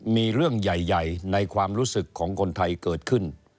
มีเรื่องใหญ่ในความรู้สึกของคนไทยเกิดขึ้น